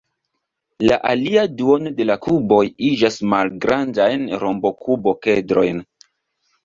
La alia duono de la kuboj iĝas malgrandajn rombokub-okedrojn.